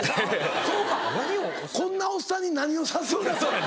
そうかこんなおっさんに何をさすんやと。